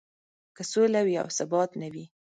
که سوله وي او ثبات نه وي.